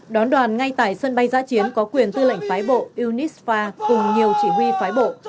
đón đoàn ngay tại sân bay giã chiến có quyền tư lệnh phái bộ unisfa cùng nhiều chỉ huy phái bộ